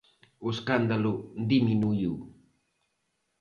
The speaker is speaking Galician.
O escándalo diminuíu.